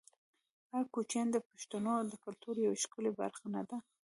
آیا کوچیان د پښتنو د کلتور یوه ښکلې برخه نه ده؟